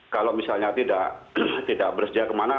kalau misalnya tidak bersedia kemana